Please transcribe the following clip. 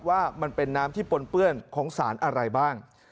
ว่ามันเป็นน้ำที่ปนเปื้อนของสารอะไรบ้าง